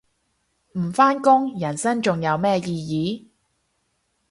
唔返工人生仲有咩意義